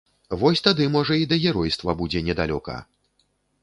Вось тады, можа, і да геройства будзе недалёка!